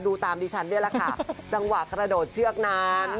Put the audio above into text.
ดูตามดิฉันนี่แหละค่ะจังหวะกระโดดเชือกนั้น